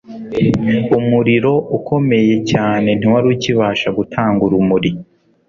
umuriro ukomeye cyane ntiwari ukibasha gutanga urumuri